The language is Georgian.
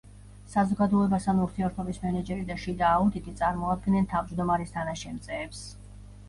საზოგადოებასთან ურთიერთობის მენეჯერი და შიდა აუდიტი წარმოადგენენ თავმჯდომარის თანაშემწეებს.